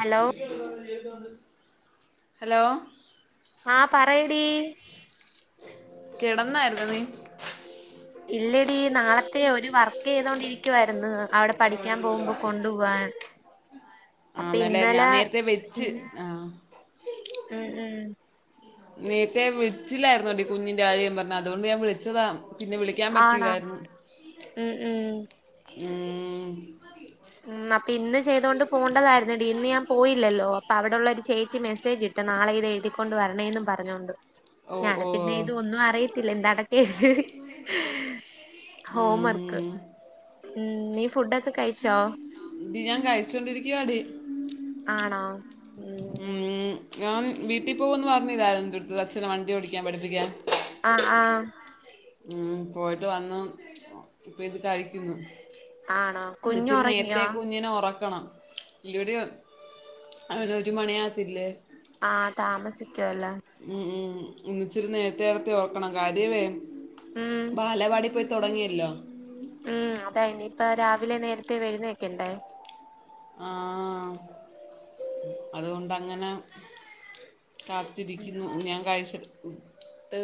Hello! Hello ആഹ് പറയെടീ കെടന്നായ്ര്ന്നോ നീ ഇല്ലടീ നാളത്തെ ഒരു വർക്ക് യ്തോണ്ടിരിക്കുവായിരുന്നു അവിടെ പഠിക്കാൻ പോകുമ്പോ കൊണ്ടു പോവാൻ ആഹ്, ഇന്നലെ ഞാൻ നേരത്തെ വെച്ച്, ഇൻ- ആഹ് ഉം ഉം നീര്ത്തെ വിളിച്ചില്ലായിരുന്നോടീ കുഞ്ഞിന്റെ കാര്യം പറഞ്ഞ്, അതുകൊണ്ട് ഞാൻ വിളിച്ചതാ. പിന്നെ വിളി ആണോ, ഉം ഉം [unintelligible] ഉം, അപ്പിന്ന് ചെയ്തോണ്ട് പോണ്ടതായിരുന്നുടീ ഇന്ന് ഞാൻ പോയില്ലല്ലോ. അപ്പവിടെള്ളൊരു ചേച്ചി മെസ്സേജ് ഇ റ്റ നാളെ ഇത് എഴുതിക്കൊണ്ട് വരണേന്നും പറഞ്ഞോണ്ട് ഓ ഓ ഞാന്പ്പിന്നെ ഇത്‌ ഒന്നും അറിയത്തില്ല. [unintelligible] എന്താ അതൊക്കെഴുതിയെ ഹോം വർക്ക് ഉം. ഉം, നീ ഫുഡൊക്കെ കഴിച്ചോ? ടീ ഞാൻ കഴിച്ചോണ്ടിരിക്കുവാടീ ആണോ, ഉം ഉം, ഞാന് വീട്ടിൽ പോകുംന്ന് പറഞ്ഞില്ലേ, ഇന്റെട്ക്ക് അച്ഛനെ വണ്ടി ഓടിക്കാൻ പഠിപ്പിക്കാൻ അ ആഹ് ഉം, പോയിട്ട് വന്നു. ഇപ്പ ഇത് കഴിക്കുന്നു ആണോ കുഞ്ഞ് ഇന്നിച്ചിരി നേരത്തെ ഉറങ്ങിയോ കുഞ്ഞിനെ ഒറക്കണം. ഇവട്യൊ അവനൊരു മണിയാവത്തില്ലേ? ആഹ്, താമസിക്കാലോ ഉം, ഉം ഇന്നിച്ചിരു നേരത്തെ കിടത്തി ഒർക്കണം. കാര്യ വേ ഉം ബാലവാടിപ്പൊ തൊടങ്ങിയല്ലോ ഉം, അതായിനിപ്പ രാവിലെ നേരത്തെ എഴുന്നേക്കെണ്ടേ ആഹ്, അതുകൊണ്ടങ്ങനെ കാത്തിരിക്കുന്നു, ഞാൻ കഴിച്ചിട്ട് ട്ട്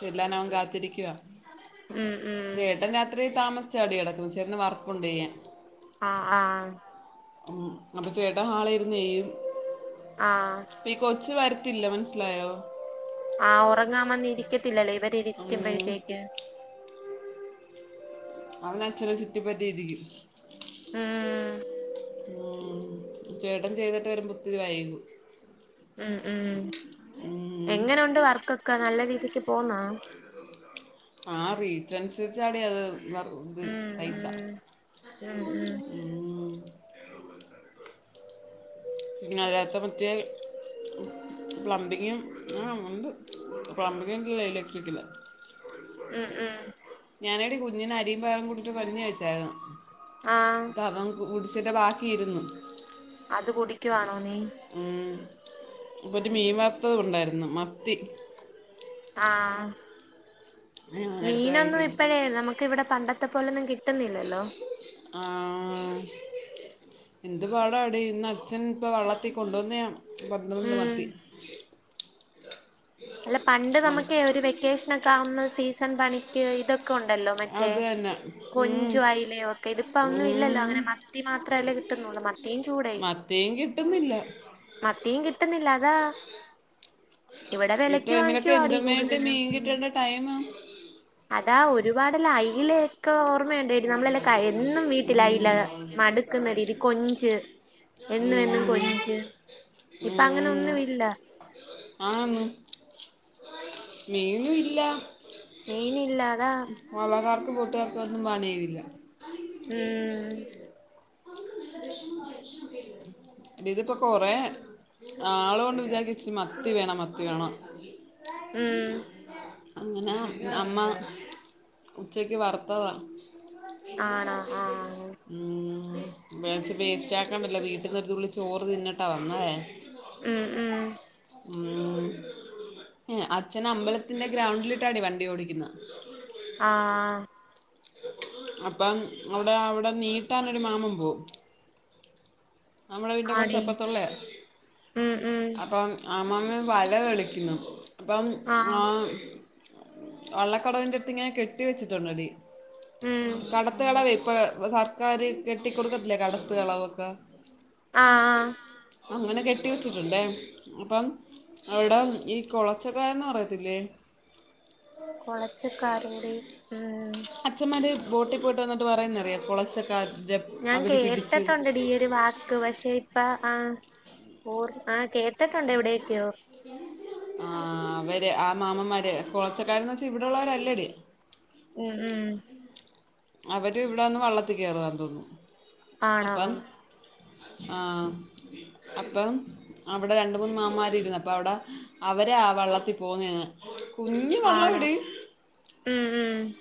ചെല്ലാൻ അവൻ കാത്തിരിക്കുവാ ഉം ഉം ചേട്ടൻ രാത്രി താമസ്ച്ചാടീ കടക്കും ചേട്ടന് വർക്കുണ്ട് ചെയ്യാൻ ആഹ് ആഹ് അപ്പം ചേട്ടൻ ഹാളിരുന്നു ചെയ്യും ആഹ് പ്പീ ഈ കൊച്ച് വരത്തില്ല മനസ്സിലായോ ആഹ് ഉറങ്ങാൻ വന്നിരിക്കത്തില്ലല്ലോ ഇവരി ഉം. ഇരിക്കുമ്പഴത്തേക്ക് അവനച്ഛനെ ചുറ്റിപ്പറ്റിയിരിക്കും ഉം ഉം ചേട്ടൻ ചെയ്തിട്ട് വരുമ്പോ ഒത്തിരി വൈകും ഉം ഉം ഉം എങ്ങനുണ്ട് വർക്കൊക്കെ നല്ല രീതിക്ക് പോന്നോ ആ റീച്ചൻസര്ച്ചാടീ അത് വർക്ക് ഇത് ഉം പൈസ ഉം ഉം ഉം ഉം പിന്ന അല്ലത്തെ മറ്റേ പ്ലംബിങ്ങും ആണ്ട് പ്ലംബിങ്ങല്ല ഇലക്ട്രിക്കൽ ഉം ഉം ഞാനെടി കുഞ്ഞിനെ അരിയും പയറും കൂട്ടിട്ട് കഞ്ഞി വച്ചായിരുന്നു ആഹ അപ്പ അവൻ കുടിച്ചിട്ട ബാക്കിയിരുന്നു അത് കുടിക്കുവാണോ നീ ഇ ഒരു മീൻവർത്തതു ഇവിടെ ഉണ്ടായിരുന്നു മത്തി ആഹ ഞാനെടുത്ത് മീനൊന്നും കഴിക്കുന്നു ഇപ്പഴേ നമുക്ക് ഇവിടെ പണ്ടത്തെ പോലെൊന്നും കിട്ടുന്നില്ലല്ലോ ആഹാ എന്ത് പാടാടി ഇന്ന് അച്ഛൻ ഇപ്പൊ വെള്ളത്തി കൊണ്ടുവന്ന പൻന്ത്രണ്ട് ഉം മത്തി അല്ല പണ്ട് ഉം. നമുക്കെ ഒരു വെക്കേഷനൊ ഒക്കെ ആവുന്ന സീസൺ പണിക്ക് ഇതൊക്കെ ക്കൊ ഉണ്ടല്ലോ മറ്റേ അത് തന്നെ ഉം. കൊഞ്ചു അയിലെയൊ ഒക്കെ ഇതിപ്പോ ഒന്നും ഇല്ലല്ലോ ഉം. അങ്ങനെ മത്തി മാത്രല്ലേ കിട്ടുന്നുള്ളൂ മത്തിയും ചൂടയും മത്തിയും കിട്ടുന്നില്ല മത്തിയും കിട്ടുന്നില്ല അതാ ഇവിടെ ഈ വെലക്ക് ടൈമിലൊക്കെ വാങ്ങിക്കുവാടീ എന്തും വേണ്ടി കൂടുതലും മീൻ ഉം കിട്ടേണ്ട ടൈമാ അതാ ഒരുപാട് എല്ലാം അയിലെ ഒക്കെ ഓർമ്മയണ്ടെടീ നമ്മളെല്ലാം എന്നും വീട്ടിൽ അയില മടുക്കുന്ന രീതി കൊഞ്ച് എന്നും എന്നും കൊഞ്ച് ഇപ്പൊ അങ്ങനൊന്നും ഇല്ല ആഹ മീനും ഇല്ല മീനില്ല അതാ വളകാർക്ക് ബോട്ട്ക്കാർക്ക് ഒന്നും പണിയും ഇല്ല ഉം എടി ഇതിപ്പൊ കൊറെേ നാള് കൊണ്ട് വിചാരിക്ക ഇച്ചിരി മത്തി വേണം മത്തി വേണം ഉം അങ്ങനെ അമ്മ ഉച്ചക്ക് വറുത്തതാ ആണോ ആ [unintelligible] വേസ്റ്റ് ആക്കണ്ടല്ലോ വീട്ടീന്നൊരുതുള്ളി ചോറ് തിന്നിട്ടാ വന്നതേ ഉം ഉം ഉം അച്ഛൻ അമ്പലത്തിന്റെ ഗ്രൗണ്ടിലിട്ടാടീ വണ്ടി ഓടിക്കുന്നത് ആഹ അപ്പം അവിടെ അവിടെ നീട്ടാനൊരു മാമൻ പോവും നമ്മുടെ വീട്ടിന്റെ കുറച്ച് ആടി അപ്പറത്തുള്ളയാ ഉം ഉം അപ്പം അമ്മമ്മ വല കളിക്കുന്നു അപ്പം ആഹ് ആ വള്ളക്കടവിന്റെ അടുത്ത് ഇങ്ങനെ കെട്ടി വെച്ചിട്ടുണ്ടെടി ഉം കടത്തു കടവു ഇപ്പൊ കാര് കെട്ടികൊടുക്കത്തില്ലേ കടത്ത കളവൊക്കെ ആഹ് ആഹ അങ്ങനെ കെട്ടി വെച്ചിട്ടുണ്ടേ അപ്പം അവിട ഈ കുളച്ചക്കായന്ന് പറയത്തില്ലേ കുളച്ചക്കാാരോടെ ഉം അച്ഛന്മാർ ബോട്ടിൽ പോയിട്ട് വന്നിട്ട് പറയും നിറയെ കുളച്ചൊക്കെ അ ഞാൻ കേട്ടിട്ടുണ്ട് ടി ഒരു വാക്ക് പക്ഷെ ഇപ്പ ആർ ആ കേട്ടിട്ടുണ്ട എവിടെയൊക്കെയോ ആ് അവര് ആ മാമമാര് കുളച്ചക്കാരന്ന് വെച്ചാ ഇവിടെള്ളവരല്ലടി ഉം ഉം അവര് ഇവിടെന്ന് വള്ളത്തിൽ കയറുവാ തോന്നുന്നു ആണോ അപ്പം ആഹ അപ്പൊ അവിടെ രണ്ട് മൂന്ന് മാമാർരുന്നു അപ്പ അവിടെ അവരെ ആ വള്ളത്തിൽ പോന്നെ കുഞ്ഞി വെള്ളോ ആണോ ടീ? ഉം. ഉം.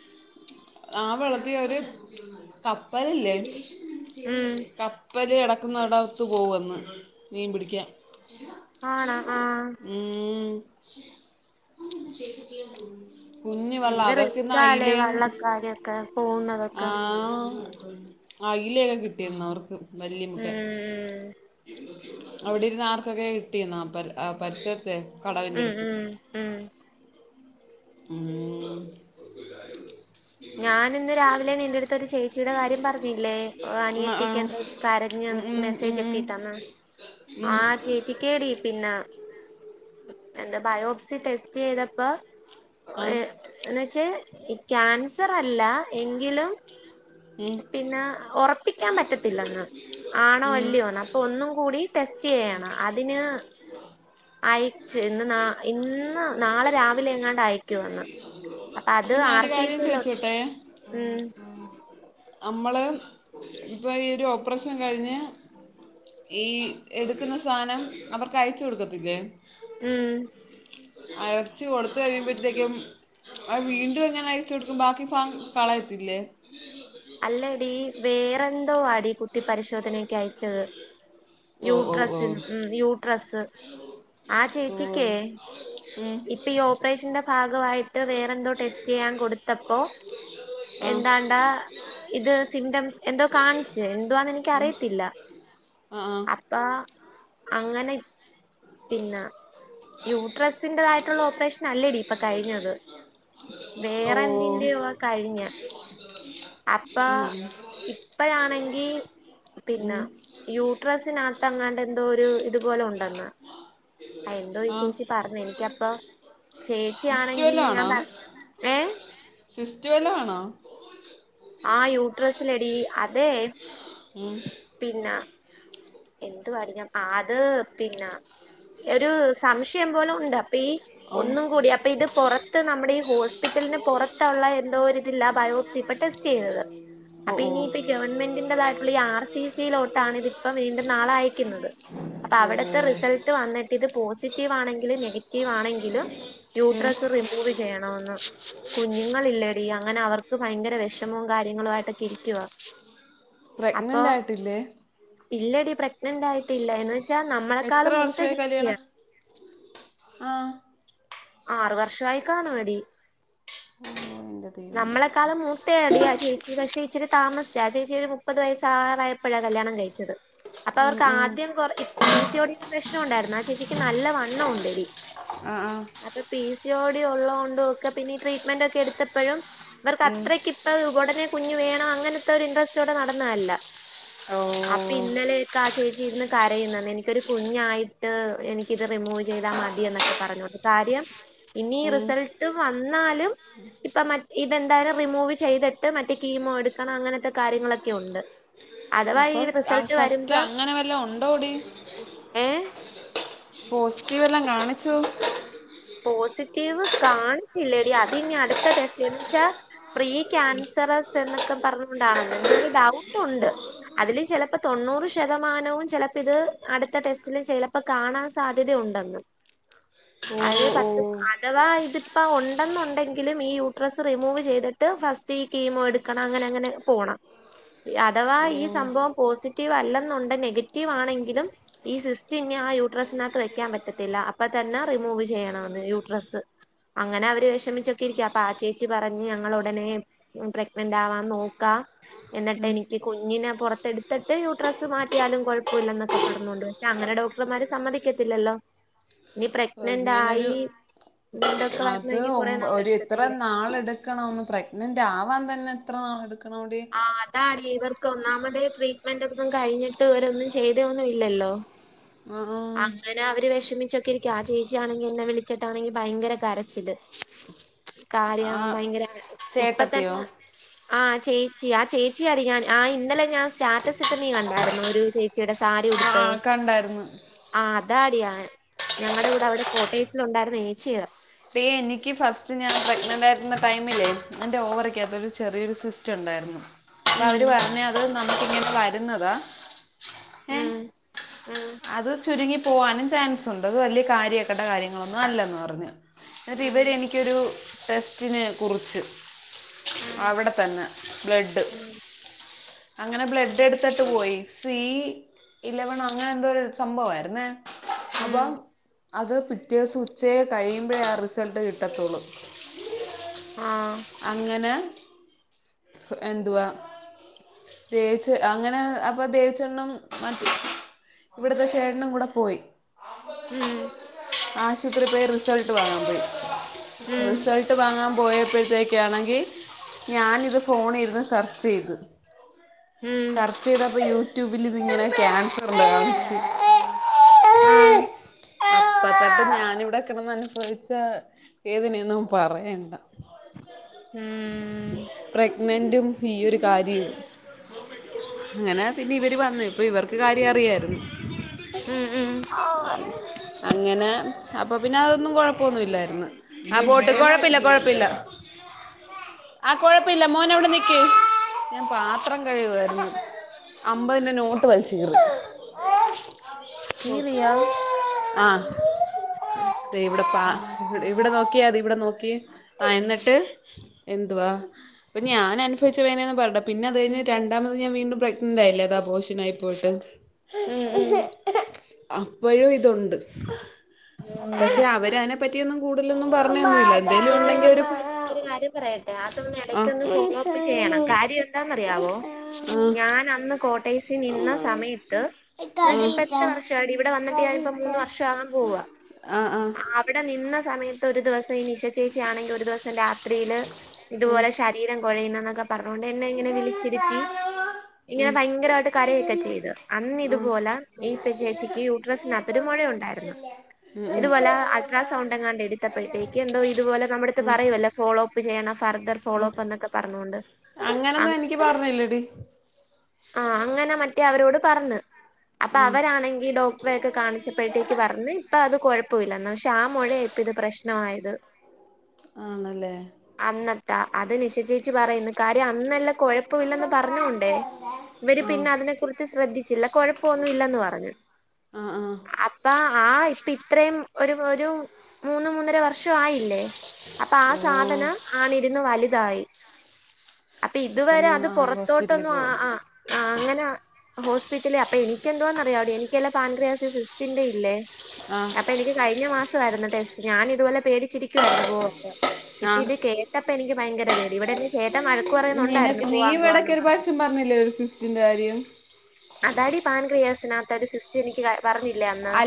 ആ വെള്ളത്തി ഒര് കപ്പലില്ലേ? ഉം ഇവര് ഇടക്കു ന്നകടവത്ത് പോകന്ന് മീൻ പിടിക്കാൻ. ആണോ ആഹ് ഉം.. കുഞ്ഞ വള്ളാ എന്ത് അവർക്കിന്ന് റിസ്കാല്ലേ അയിലേും- വള്ളക്കാരൊക്കെ ആ. പോകുന്നതൊക്കെ അല്ലിയെല കിട്ടിരുന്നു അവർക്ക്, വല്മുട്ടെ- ഉം അവിടെരുന്ന ആർക്കൊക്കെ കിട്ടിന്നാ പരിസരത്തെ കടവിന്റെ ഉം അടുത്തു. ഉം ഉം ഉം. ഉം ഞാൻ ഇന്ന് രാവിലെ നിന്റെറ അടുത്ത ഒരു ചേച്ചിയുടെ കാര്യം പറഞ്ഞില്ലേ? ആ ആ അനിയത്തിക്ക എന്തോ- കരഞ്ഞ ഉം ഉം ഉം മെസ്സേജ് ഉം ഒക്കെ ഇട്ടാന്ന ആ ചേച്ചിക്കേടി പിന്നെ- എന്താ ബയോപ്സി ടെസ്റ്റ് ചെയ്തപ്പ- ആ എന്ന്വച്ചേ ക്യാൻസർ അല്ല എങ്കിലും, ഉം പിന്നെ ഉറപ്പിക്കാൻ പറ്റത്തില്ലന്ന്. ആണോ ഉം അല്ലയോന്ന് അപ്പൊ ഒന്നും കൂടി- ടെസ്റ്റ് ചെയ്യണം അതിന്- അയച്ചു. ഇന്ന് ഇന്ന് നാളെ രാവിലെ എങ്ങാണ്ട് അയക്കുവെന്ന്. അപ്പൊ അത്, അപ്പം ആർ ഞാനൊരു സി കാര്യം സിൽ ചോദിച്ചോട്ടെ ഉം. നമ്മള് ഇപ്പ ഈ ഒരു ഓപ്പറേഷൻ കഴിഞ്ഞ്. ഈ എടുക്കുന്ന സാധനം, അവർക്ക് അയച് കൊടുക്കത്തില്ലേ? ഉം. ആ എറച്ചി കൊടുത് കഴിയുമ്പഴത്തേക്കും, അത് വീണ്ടും ഇങ്ങനെ അയച് കൊടുക്കും? ബാക്കി ഫാ കളയത്തില്ലേ? അല്ലടീ വേറെന്തോവാടീ- പരിശോധനക്ക് അയച്ചത്. ഓ ഓ യൂട്രസ് ഉം യൂട്രസ്. ആ ഓ ഓ ചേച്ചിക്കേ ഉം. ഇപ്പൊ ഈ ഓപ്പറേഷന്റെ- ഭാഗമായിട്ട് വേറെന്തോ ടെസ്റ്റ് ചെയ്യാൻ കൊടുത്തപ്പോ? ആ ആ എന്താണ്ടാ- ഇത് സിംറ്റംസ് എന്തോ കാണിച്ച്. എന്തുവാന്ന് എനിക്കറിയത്തില്ല. ആ. അപ്പൊ അങ്ങനെ- പിന്നെ യൂട്രസിന്റതായിട്ടുള്ള ഓപ്പറേഷൻ അല്ലടി, ഇപ്പൊ കഴിഞ്ഞത്. ഓ വേറെ എന്തിന്റെയോ കഴിഞ്ഞ- അപ്പൊ ഉം. ഇപ്പഴാണെങ്കി- പിന്നെ ഉം. യൂട്രസിനകത്ത് അങ്ങാണ്ട് എന്തോ ഒരു ഇതുപോലെ ഉണ്ടെന്ന്. എന്തോ ഈ ആ ചേച്ചി പറഞ്ഞ. എനിക്കപ്പ സിസ്റ്റ് ചേച്ചിയാണെങ്കി വല്ലതും ഞാൻ ആണോ പറ ഏ- സിസ്റ്റ് വല്ലോ ആണോ? ആ യൂട്രസ്സിലെടീ അതെ- ഉം. പിന എന്തുവാടീ ഞ അത് പിന്നെ ഒരു സംശയം പോലെ ഉണ്ട്. അപ്പൊ ഈ- ഓ ഒന്നും കൂടി. അപ്പൊ ഇത് പുറത്ത് നമ്മുടെ ഈ ഹോസ്പിറ്റലിന് പുറത്തുള്ള എന്തോരിതില്ലെ ആ ബയോപ്സി. പെ ടെസ്റ്റ് ചെയ്തത്. ഓ ഓ. ഗവൺമെന്റിന്റതായിട്ടുള്ള ഈ ആർ സി സിയിലോട്ടാണ് ഇതിപ്പ വീണ്ടും - നാളെ അഴക്കുന്നത്. അപ്പ അവിടുത്തെ റിസൾട്ട് വന്നിട്ട് ഇത് പോസിറ്റീവ് ആണെങ്കിലും നെഗ റ്റീവ് ആണെങ്കിലും യൂട്രസ് റിമൂവ് ചെയ്യണമെന്ന്. കുഞ്ഞുങ്ങളില്ലെടീ, അങ്ങനെ അവർക്ക് ഭയങ്കര വിഷമവും കാര്യങ്ങളു ആയിട്ടൊക്കെ ഇരിക്കുവ. പ്രഗ്നൻറ് അപ്പൊ ആയിട്ടില്ലേ? ഇല്ലടി പ്രഗ്നന്റ് ആയിട്ടില്ല. എന്ന് വെച്ചാ നമ്മളെക്കാളും മൂത്ത ചേച്ചിയാ. ആഹ്. ആറു വർഷയി കാണും ഡി ഓ എന്റെ ദൈവമേ നമ്മളെക്കാളും മൂ ത ഡി ആ ചേച്ചി പക്ഷേ ഇച്ചിരി താമസിച്ച ആ ചേച്ചി ഒരു മുപ്പത് വയസ്സാ ആവാറായപ്പോഴാ കല്യാണം കഴിച്ചത് അപ്പൊ ഉം അവർക്ക് ഉം ആദ്യം കൊറ പി സിയോടുള്ള പ്രശ്നം ഉണ്ടായിരുന്നു ആ ചേച്ചിക്ക് നല്ല വണ്ണം ഉണ്ട് ഡി ആഹ് ആഹ് അപ്പൊ പി സി യോടി ഉള്ളോണ്ടൊ ഒക്കെ പിന്നെ ഈ ട്രീറ്റ്മെന്റ് ഒക്കെ എടുത്തപ്പോഴും ഇർക്ക് ഉം അത്രക്ക് ഇപ്പൊ ഉടനെ കുഞ്ഞുഞ് വേണം അങ്ങനത്തെ ഒരു ഇൻട്രസ്റ്റ്ടെ നടന്നതല്ല ഓ അപ്പൊ ഇന്നലെക്ക ആ ചേച്ചി ഇരുന്ന് കരയുന്നന്ന് എനിക്കൊരു കുഞ്ഞായിട്ട് എനിക്കിത് റിമൂവ് ചെയ്താൽ മതിയ എന്നൊക്കെ പറഞ്ഞുത് കാര്യം ഇനി ഉം റിസൾട്ട് വന്നാലും ഇപ്പൊ മ ഇതെന്തായാലും റിമൂവ് ചെയ്തിട്ട് മറ്റേ കീമോ എടുക്കണം അങ്ങനത്തെ കാര്യങ്ങളൊക്കെ ഉണ്ട് അഥവാ അപ്പൊ ഈ ആ റിസൾട്ട് ഫസ്റ്റ് വരുമ്പം അങ്ങനെ വല്ല ഉണ്ടോ ടി ഏഹ് പോസിറ്റീവ് എല്ലാം കാണിച്ചു പോസിറ്റീവ് കാണിച്ചില്ല ഡി അത് ഇനി അടുത്ത ടെസ്റ്റന്ന് വച്ചാ പ്രീ ക്യാൻസറസ് എന്നൊക്കെ പറഞ്ഞോ കൊണ്ടാണെന്ന് എന്തോ ഒരു ഡൗട്ടുണ്ട് അതില് ചിലപ്പോ തൊണ്ണൂറ് ശതമാനവും ചിലപ്പോ ഇത് അടുത്ത ടെസ്റ്റിലും ചിലപ്പോ കാണാൻ സാധ്യതയ ഉണ്ടെന്നും ഓ അല് ഓ പത്ത് അഥവാ ഇതിപ്പ ഉണ്ടെന്നുണ്ടെങ്കിലും ഈ യൂട്രസ് റിമൂവ് ചെയ്തിട്ട് ട്ട് ഫസ്റ്റ് ഈ കീമോ എടുക്കണം അങ്ങനെ അങ്ങനെ പോകണം അഥവാ ഓ ഈ സംഭവം പോസിറ്റീവ് അല്ലെന്നുണ്ട് നെഗറ്റീവ് ആണെങ്കിലും ഈ സിസ്റ്റ് ഇനി ആ യൂട്രസിനകത്ത് വെക്കാൻ പറ്റത്തില്ല അപ്പൊ തന്നെ റിമൂ മൂവ് ചെയ്യണന്ന് യൂ ഡ്രസ്സ് അങ്ങനെ അവര് വിഷമിച്ചൊക്കെ ഇരിക്ക അപ്പൊ ആ ചേച്ചി പറഞ്ഞ് ഞങ്ങൾ ഉടനെ പ്രഗ്നന്റ് ആവാ നോക്കാം എന്നിട്ട് ഉം. എനിക്ക് കുഞ്ഞിനെ പുറത്തെ എടുത്തിട്ട് യുഡ്രസ്സ് മാറ്റിയാലും കുഴപ്പൊല്ല എന്നൊക്കെ പറഞ്ഞൊണ്ട് പക്ഷെ അങ്ങന ഡോ ഡോക്ടർമാര് സമ്മതിക്കത്തില്ലല്ലോ ഇനി ഓ, പ്രഗ്നന്റ് ഇങ്ങനൊരു ആയി [unintelligible] അത് ഒ കൊറേ ഒരു എത്ര നാളെടുക്കത്തില്ലേ നാള് എടു കണ്ണം പ്രഗ്നന്റ് ആവാൻ തന്നെ എത്ര നാൾ എടുക്കണടി ആഹ് അതാ ഡി ഇവർക്ക് ഒന്നാമതെ ട്രീറ്റ്മെന്റ് ഒക്കന്നും കഴിഞ്ഞിട്ട് ഇവരൊന്നും ചെയ്തൊന്നു ഇല്ലല്ലോ ആഹ് ആഹ് അങ്ങനെ അവര് വിഷമിച്ചൊക്കെ ഇരിക്ക ആ ചേച്ചിണെങ്കിൽ എന്നെ വിളിച്ചിട്ടാണെങ്കിൽ ഭയങ്കര കരച്ചില് ആ ആ കാര്യം ഭയങ്കര ഇപ്പ ചേട്ടത്തിയോ തന്നെ ആ് ചേച്ചി ആ ചേച്ചി അടി ഞാൻ ആ ഇന്നലെ ഞാൻ സ്റ്റാറ്റസ് ഇട്ട് നീ കണ്ടായിരുന്നൊ ഒരു ചേച്ചി ചച്ചിയുടെ സാരി ആ ഉടുത്ത് ആ കണ്ടായിരുന്നു ആഹ് അതാടിയാ ഞങ്ങളുടെ കൂടെ അവിടെ കോട്ടയ്സില് ഉണ്ടായിരുന്നു ഏച്ചിയത് ഡി എനിക്ക് ഫസ്റ്റ് ഞാൻ പ്രഗ്നന്റ് ആയിരുന്ന ടൈമില്ലേ എൻ്റെ ഓവറക്കത്ത്രു ചെറിയൊരു സിസ്റ്റം സ്റ്റം ണ്ടായിരുന്നു അപ്പൊ ഉം അവര് പറഞ്ഞ അത് നമുക്ക്ങ്ങെനെ വരുന്നതാ ഉം ഉം അത് ചുരുങ്ങി പോവാനും ചാൻസുണ്ട് അത് വലിയ കാര്യക്കേണ്ട കാര്യങ്ങളൊന്നും അല്ലെന്ന് പറഞ്ഞു എന്നിട്ട് ഉം ഇവരെനിക്കൊരു ടെസ്റ്റിന് കുറിച്ച് ഉം അവിടെ തന്നെ ബ്ലെഡ് ഉം അങ്ങനെ ഉം ബ്ലെഡ് എടുത്ത് ട്ട് പോയി സി ഇലവണോ അങ്ങനെന്തോ ഒരു സംഭവായിരുന്നേ ഉം അപ്പം അത് പിറ്റേസം ഉച്ചയെ കഴിയുമ്പോ അപ്പെഴാ ആ റിസൾട്ട് കിട്ടൊത്തൊള്ളു ആ അങ്ങനെ എന്തുവാ ദേവിച്ച് അങ്ങനെ അപ്പൊ ദേവിച്ചെണ്ണും മതി ഇവിടെത്തെ ചേട്ടനും കൂടെ പോയി ഉം ആശുത്രി പോയി റിസൾട്ട് വാങ്ങാം പോയി റിസൾട്ട് ഉം റിസൾട്ട് വാങ്ങാം പോയപ്പഴത്തേക്കാണെങ്കി ഞാനിത് ഫോണിലിരുന്ന് സെർച്ചെയ്ത് ഉം സെർച്ചെയ്താപ്പം യൂറ്റൂ ബിലിതിങ്ങനെ ക്യാൻസർലോ കാണിച്ച് ആഹ് അപ്പത്തൊട്ട് ഞാനിവിടെ കെ ടന്ന് അനുഭവിച്ച വേദനെയൊന്നും പറയണ്ട ഉം പ്രഗ്നന്റും ഈയൊരു കാര്യവും അങ്ങനെ പിന്നെയിവര് വന്ന് ഇപ്പൊ ഇവർക്ക് കാര്യ അറിയായിരുന്നു ഉം ഉം അങ്ങനെ അപ്പൊപിന്നെ അതൊന്നും കൊഴപ്പൊന്നുല്ലായിര്ന്ന് ആഹ് പോട്ട് കൊഴപ്പില്ല കൊഴപ്പില്ല ഞാൻ പാത്രം കഴുവായിര്ന്ന് അമ്പതിന്റെ നോട്ട് വലിച്ച് കീറി ആക്കീറിയോ ആഹ് ആഹ് എന്നെട്ട് എന്തുവാ അപ്പൊ ഞാനനുഭവിച്ച വേനെയൊന്നും പറയണ്ട പിന്നെ അത് കഴിഞ് രണ്ടാമത് ഞാൻ വീണ്ടും പ്രെഗ്നന്റായില്ലെ അത് അപോഷനായി പോയിട്ട് ഉം ഉം അപ്പൊഴും ഇതുണ്ട് പക്ഷെ അവരയിനെ പറ്റിയൊന്നും കൂടുതലൊന്നും പറഞ്ഞൊന്നുമില്ല പക്ഷെ എന്തെങ്കിലും ഉണ്ടെങ്കിൽ ഒരു ഞാനിതിനകത്തൊരു കാര്യം പറയട്ടെ അതൊന്ന് ആ ഇടക്കൊന്ന് ഫോളോഅപ്പ് മനസ്സാണ് ചെയ്യണം കാര്യ ആ യെന്താന്നറിയാവോ ഞാനന്ന് കോട്ടയെസ്സി നിന്ന സമയത്ത് എന്ന് വെച്ചാ കരീത്ത ഇപ്പെയെത്ര വർഷാ ആയെടി ഇവിടെ വന്നിട്ട് ഞാനിപ്പൊ കരീത്ത മൂന്ന് വർഷാകാൻ പോവാ ആ ആ അവിടെ നിന്ന സമയത്ത് ഒരു ദുവസം ഈ നിശചേച്ചി ആണെങ്കി ഒരു ദിവസം ആശുപത്രീല് ഉം, ഇതുപോലെ ശരീരം കൊഴയുന്ന് എന്നൊക്കെ പറഞ്ഞൊണ്ട് എന്നെ ഇങ്ങനെ ഇതെന്ന വിളിച്ചിരുത്തി സാധനമോ ഇങ്ങനെ ഉം, ഭയങ്കരായിട്ട് കരയൊക്കെ ഉപ്പിരുന്ന ചെയ്ത് അന്ന് ആ ഇതുപോലെ ഈ നല്ല ചേച്ചിക്ക് യൂട്രസിനകത്തൊരു ഇന്നത്തൊന്നും മൊഴയുണ്ടായിരുന്നു ഇട്ടില്ല ഇതുപോലെ വല്ലവരമ്മ അൾട്രാസൗണ്ടെങ്ങാണ്ട് എട്ത്തപ്പൊഴത്തേക്കെ ന്തോ വല്ലവരത്തില്ല ഇതുപോലെ നമ്മടെടുത്ത് ഉം, പറയുവല്ലേ ഫോളോഅപ്പ് ചെയ്യണം ഫർദർ ഉം. ഫോളോഅപ്പ് എന്നൊക്കെ പർഞ്ഞോണ്ട് അങ്ങനൊന്നും എനിക്ക് പറഞ്ഞില്ലടി ആഹ് അങ്ങനെ മറ്റെ അവരോട് പറഞ്ഞ് അപ്പൊ ഉം, അവരാണെങ്കി ഈ ഡോക്ടറെയൊക്കെ ഇല്ല കാണിച്ചപ്പെഴത്തേക്ക് പറഞ്ഞ് ഇപ്പത് കൊഴപ്പവില്ലന്ന് പക്ഷെ ആ മൊഴയായിപ്പൊ ഇത് പ്രശ്നവായത് അത് ആണല്ലെ? അന്നത്തെ അത് നിശച്ചേച്ചി പറയുന്നേ കാര്യം അന്നല്ല അമ്മ കൊഴപ്പമില്ലെന്ന് പറഞ്ഞോണ്ടെ പാട്ടുണ്ട് ഇവര് ആ പിന്നെ അതിനെ കുറിച്ച് ശ്രദ്ധിച്ചില്ല കൊഴപ്പവൊന്നുയില്ലെന്ന് പറഞ്ഞു ആ ആ അപ്പ ആ ഇപ്പയിത്രയും ഒരു ഒരു മൂന്ന് മൂന്നര വർഷ വായില്ലെ അപ്പൊ ആ ഓ സാധനം ആണിരുന്ന് വലുതായി അപ്പൊ ഇതുവരെ ഒന്ന് അത് ആ ഹോസ്പിറ്റലിൽ പുറത്തോട്ടൊന്നും പോവാ ആഹ് ആഹ് ആ് അങ്ങനെ ഹോസ്പിറ്റലേ അപ്പൊ എനിക്ക് എന്തോവാന്ന് അറിയാംവ എനിക്കല്ല പാൻക്രിയാസിസിസ്റ്റിന്റെ ഇല്ലേ ആ അപ്പൊ എനിക്ക് കഴിഞ്ഞ മാസമായിരുന്നു ടെസ്റ്റ് ഞാൻ ഇതുപോലെ പേടിച്ചി പോന്നത് ആ ഇപ്പ ഇത് കേട്ടപ്പ എനിക്ക് ഭയങ്കര പേടി ഇവിടെ ചേട്ടൻ മഴ നിന നീവിടൊക്കെ ഒരു പ്രാവശ്യം പറഞ്ഞില്ലേ ഒരു സിസ്റ്റിന്റെ കാര്യം അതാടി പാൻ കൃയേസിനകത്ത ഒരു സിസ്റ്റ് എനിക്ക് പറഞ്ഞില്ലേ അന്ന് ആ